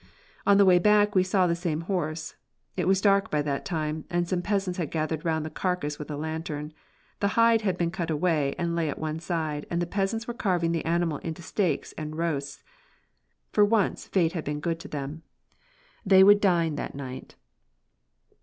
On the way back we saw the same horse. It was dark by that time, and some peasants had gathered round the carcass with a lantern. The hide had been cut away and lay at one side, and the peasants were carving the animal into steaks and roasts. For once fate had been good to them. They would dine that night.